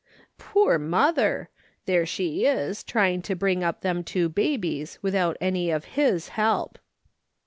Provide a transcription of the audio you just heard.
" Poor mother ! there she is, trying to bring up them two babies without any of His help."